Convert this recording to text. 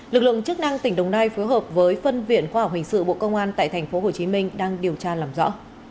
lực lượng chức năng tỉnh đồng nai phối hợp với phân viện khoa học hình sự bộ công an tại tp hcm đang điều tra làm rõ